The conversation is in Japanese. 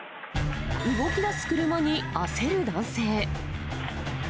動きだす車に焦る男性。